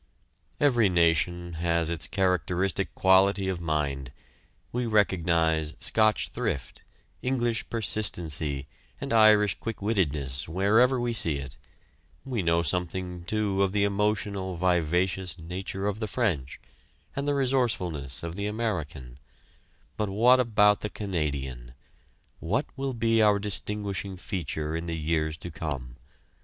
Every nation has its characteristic quality of mind; we recognize Scotch thrift, English persistency and Irish quickwittedness wherever we see it; we know something, too, of the emotional, vivacious nature of the French, and the resourcefulness of the American; but what about the Canadian what will be our distinguishing feature in the years to come?